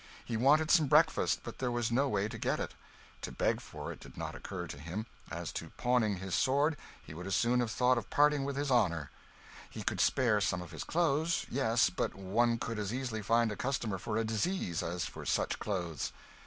He wanted some breakfast, but there was no way to get it. To beg for it did not occur to him; as to pawning his sword, he would as soon have thought of parting with his honour; he could spare some of his clothes yes, but one could as easily find a customer for a disease as for such clothes.